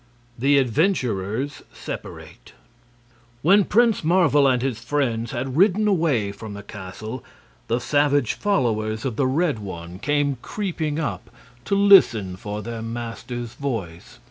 25. The Adventurers Separate When Prince Marvel and his friends had ridden away from the castle the savage followers of the Red One came creeping up to listen for their master's voice.